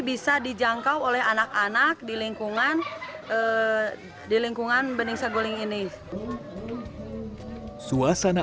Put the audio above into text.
bisa dijangkau oleh anak anak di lingkungan di lingkungan bening saguling ini suasana